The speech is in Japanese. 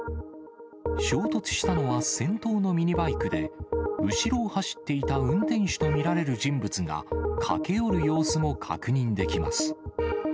衝突したのは先頭のミニバイクで、後ろを走っていた運転手と見られる人物が、駆け寄る様子も確認できます。